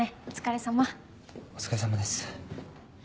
お疲れさまです。